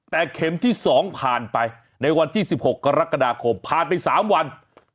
แต่เข็มที่๒ผ่านไปในวันที่๑๖กรกฎาคมผ่านไป๓วัน